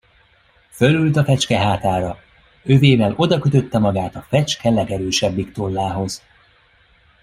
Fölült a fecske hátára, övével odakötötte magát a fecske legerősebbik tollához.